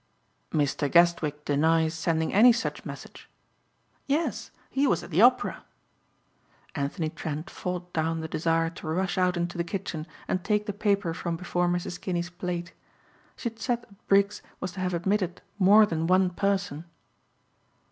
"Mr. Guestwick denies sending any such message?" "Yes. He was at the Opera." Anthony Trent fought down the desire to rush out into the kitchen and take the paper from before Mrs. Kinney's plate. She had said that Briggs was to have admitted more than one person.